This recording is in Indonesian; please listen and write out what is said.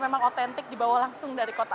memang otentik dibawa langsung dari kota